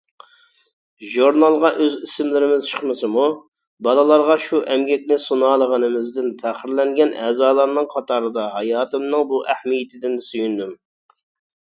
ژۇرنالغا ئۆز ئىسىملىرىمىز چىقمىسىمۇ، بالىلارغا شۇ ئەمگەكنى سۇنالىغىنىمىزدىن پەخىرلەنگەن ئەزالارنىڭ قاتارىدا ھاياتىمنىڭ بۇ ئەھمىيىتىدىن سۆيۈندۈم.